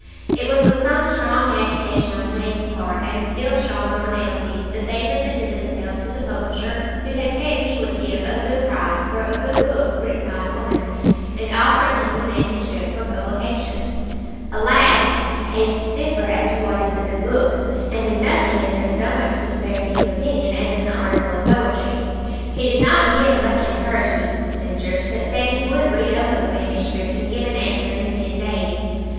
It was with some strong agitation on Jane's part, and still stronger on Elsie's, that they presented themselves to the publisher who had said he would give a good price for a good book written by a woman, and offered him the manuscript for publication. Alas! tastes differ as to what is a good book, and in nothing is there so much disparity of opinion as in the article of poetry. He did not give much encouragement to the sisters, but said he would read over the manuscript and give an answer in ten days.